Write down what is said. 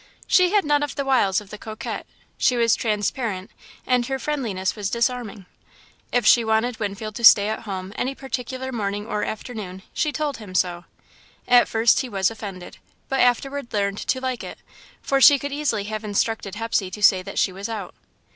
She had none of the wiles of the coquette; she was transparent, and her friendliness was disarming. If she wanted Winfield to stay at home any particular morning or afternoon, she told him so. At first he was offended, but afterward learned to like it, for she could easily have instructed Hepsey to say that she was out.